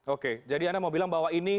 oke jadi anda mau bilang bahwa ini